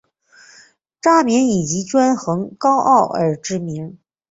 渣甸以其专横高傲而知名。